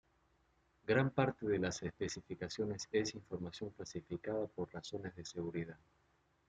Gran parte de las especificaciones es información clasificada por razones de seguridad.